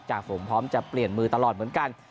ฝนพร้อมจะเปลี่ยนมือตลอดเหมือนกัน